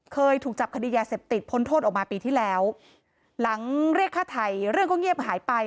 เคยถูกจับคดียาเสพติดพ้นโทษออกมาปีที่แล้วหลังเรียกค่าไถ่เรื่องก็เงียบหายไป